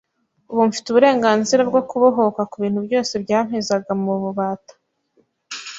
ubu mfite uburenganzira bwo kubohoka ku bintu byose byampezaga mu bubata.